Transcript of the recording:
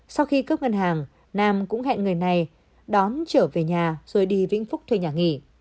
sau khi cướp ngân hàng nam cũng hẹn người này đón trở về nhà rồi đi vĩnh phúc thuê nhà nghỉ